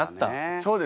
そうです